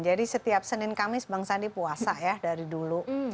jadi setiap senin kamis bang sandi puasa ya dari dulu